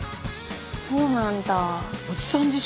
そうなんだ。